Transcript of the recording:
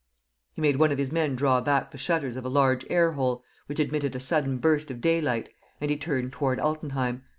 ..." He made one of his men draw back the shutters of a large air hole, which admitted a sudden burst of daylight, and he turned toward Altenheim.